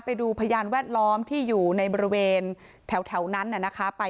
ไปดูพยานแวดล้อมที่อยู่ในบริเวณแถวนั้นนะคะ